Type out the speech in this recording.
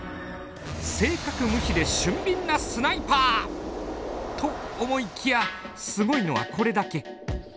正確無比で俊敏なスナイパー！と思いきやすごいのはこれだけ。